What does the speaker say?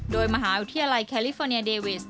โดยมหาวิทยาลัยแคลิฟอร์เนียเดวิส